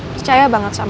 percaya banget sama dia